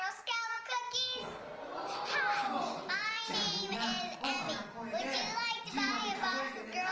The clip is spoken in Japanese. じゃあみんなおおきなこえで１０までかぞえてね。